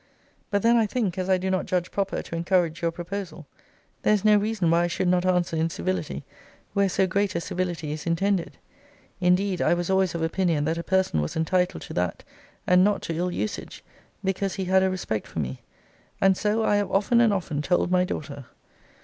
But then I think, as I do not judge proper to encourage your proposal, there is no reason why I should not answer in civility, where so great a civility is intended. Indeed, I was always of opinion that a person was entitled to that, and not to ill usage, because he had a respect for me. And so I have often and often told my daughter.